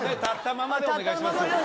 立ったままでお願いします。